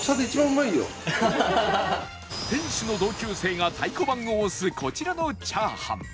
店主の同級生が太鼓判を押すこちらの炒飯